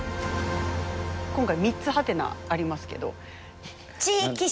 今回３つ「？」ありますけど。